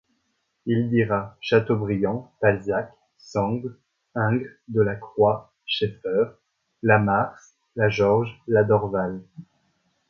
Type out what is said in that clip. Il dira : Chateaubriand, Balzac, Sand, Ingres, Delacroix, Scheffer ; la Mars, la George, la Dorval.